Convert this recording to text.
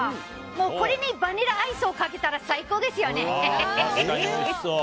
もうこれにバニラアイスをかけたら最高ですよね。